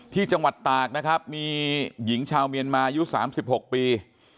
ที่จังหวัดตากนะครับมีหญิงชาวเมียนมายุ๓๖ปี